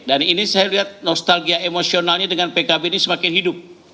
dan ini saya lihat nostalgia emosionalnya dengan pkb ini semakin hidup